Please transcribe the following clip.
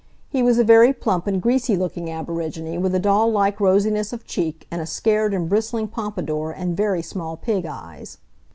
He was a very plump and greasy looking aborigine with a doll like rosiness of cheek and a scared and bristling pompadour and very small pig eyes.